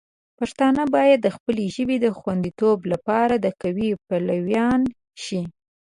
پښتانه باید د خپلې ژبې د خوندیتوب لپاره د قوی پلویان شي.